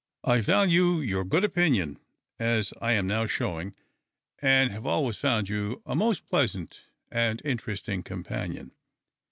I value your good opinion as I am now showing, and have always found you a most pleasant and interesting companion."